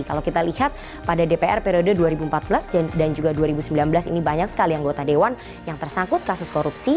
kalau kita lihat pada dpr periode dua ribu empat belas dan juga dua ribu sembilan belas ini banyak sekali anggota dewan yang tersangkut kasus korupsi